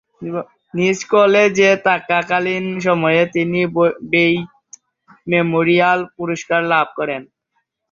New কলেজে থাকাকালীন সময়ে তিনি বেইত মেমোরিয়াল পুরস্কার লাভ করেন।